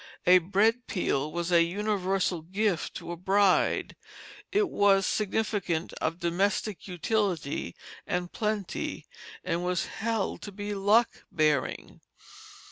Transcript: A bread peel was a universal gift to a bride; it was significant of domestic utility and plenty, and was held to be luck bearing.